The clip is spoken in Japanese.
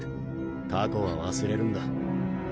過去は忘れるんだ。